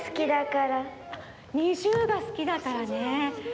ＮｉｚｉＵがすきだからね。